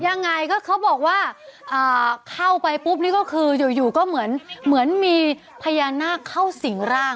ยังไงก็เขาบอกว่าเข้าไปปุ๊บนี่ก็คืออยู่อยู่ก็เหมือนเหมือนมีพญานาคเข้าสิ่งร่าง